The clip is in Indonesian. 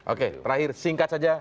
oke terakhir singkat saja